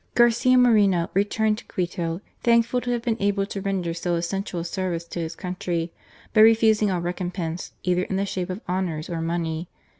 Garcia Moreno returned to Quito, thankful to have been able to render so essential a service to his country, but refusing all recompense, either in the shape of honours or money.